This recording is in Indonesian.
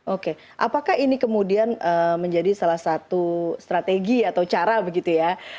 oke apakah ini kemudian menjadi salah satu strategi atau cara begitu ya